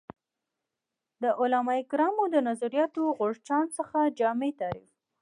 د علمای کرامو د نظریاتو د غورچاڼ څخه جامع تعریف